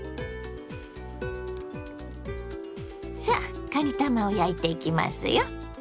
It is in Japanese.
さあかにたまを焼いていきますよ。